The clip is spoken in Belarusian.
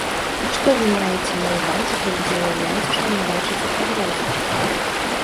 Што вы маеце на ўвазе, калі заяўляеце, што не бачыце пагрозы?